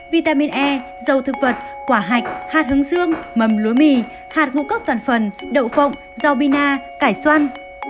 vitamin e dầu thực vật quả hạch hạt hướng dương mầm lúa mì hạt ngũ cốc toàn phần đậu phộng rau bina cải xoăn